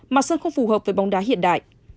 mặt sân không phù hợp với bóng đá hiện đại